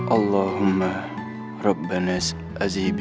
oke ada di sini